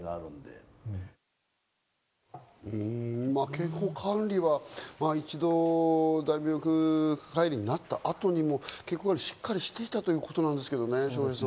健康管理は大動脈解離になった後にも、しっかりしていたということなんですけどね。